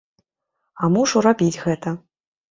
А мушу рабіць гэта.